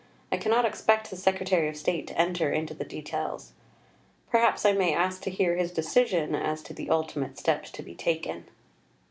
I cannot expect the Secretary of State to enter into the details. Perhaps I may ask to hear his decision as to the ultimate steps to be taken."